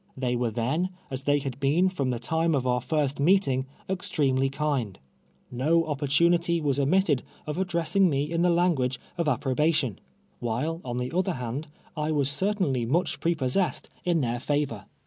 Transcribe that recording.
They were then, as they had been from the time of our first meeting, extremely kind. INTo opportunity was omitted of addressing me in the language of approbation ; while, on the other hand, I was certainly much prepossessed in their favor.